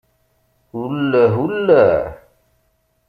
Ullah, ullah.